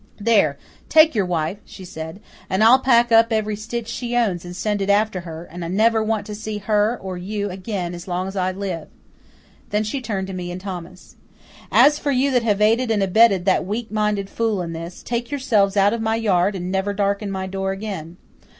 "There, take your wife," she said, "and I'll pack up every stitch she owns and send it after her; and I never want to see her or you again as long as I live." Then she turned to me and Thomas. "As for you that have aided and abetted that weakminded fool in this, take yourselves out of my yard and never darken my door again."